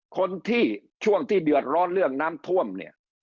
คนที่ช่วงที่เดือดร้อนเรื่องน้ำท่วมเนี่ย